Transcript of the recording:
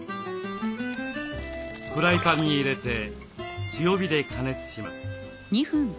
フライパンに入れて強火で加熱します。